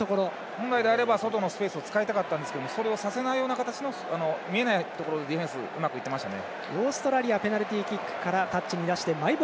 本来であれば、外のスペースを使いたかったんですがそれをさせないような形の見えないところのディフェンスうまくいってましたね。